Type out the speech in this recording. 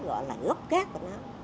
gọi là gốc gác của nó